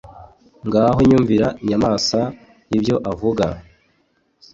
Ngaho nyumvira Nyamwasa ibyo avuga